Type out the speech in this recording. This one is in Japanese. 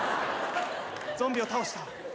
ゾンビを倒した。